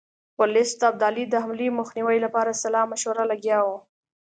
ورلسټ د ابدالي د حملې مخنیوي لپاره سلا مشورو لګیا وو.